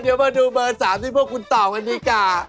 เดี๋ยวมาดูเบอร์๓ที่พวกคุณตอบกันดีกว่า